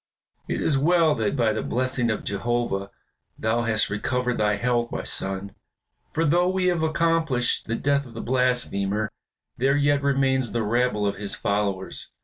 "It is well that by the blessing of Jehovah thou hast recovered thy health, my son, for though we have accomplished the death of the blasphemer, there yet remains the rabble of his followers.